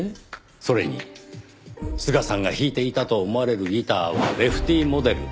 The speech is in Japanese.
それに須賀さんが弾いていたと思われるギターはレフティモデル。